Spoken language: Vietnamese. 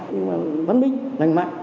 nhưng mà vấn đích lành mạnh